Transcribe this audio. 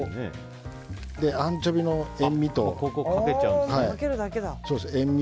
アンチョビの塩みで。